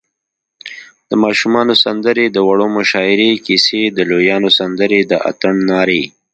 د ماشومانو سندرې، د وړو مشاعرې، کیسی، د لویانو سندرې، د اتڼ نارې